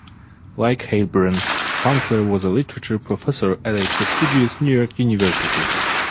Like Heilbrun, Fansler was a literature professor at a prestigious New York university.